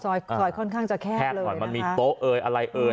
ซอยซอยค่อนข้างจะแคบแคบหน่อยมันมีโต๊ะเอ่ยอะไรเอ่ย